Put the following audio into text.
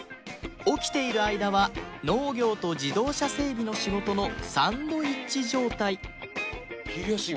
起きている間は農業と自動車整備の仕事のサンドイッチ状態